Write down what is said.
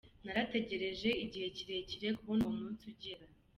Narategereje igihe kirekire kubona uwo munsi ugera.